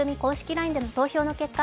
ＬＩＮＥでの投票の結果